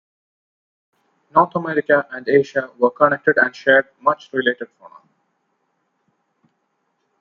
North America and Asia were connected and shared much related fauna.